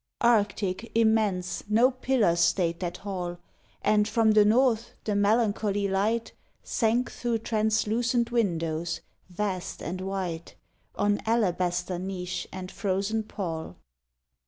Arctic, immense, no pillar stayed that hall, And from the north the melancholy light Sank through translucent windows, vast and white, On alabaster niche and frozen pall.